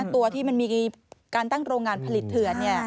ตัวที่มันมีการตั้งโรงงานผลิตเถื่อน